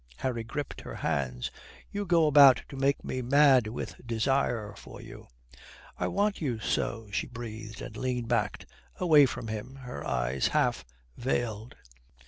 Harry gripped her hands. "You go about to make me mad with desire for you, you " "I want you so," she breathed, and leaned back, away from him, her eyes half veiled.